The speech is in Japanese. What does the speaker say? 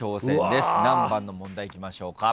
何番の問題いきましょうか？